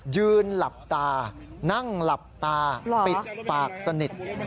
ยืนหลับตานั่งหลับตาปิดปากสนิท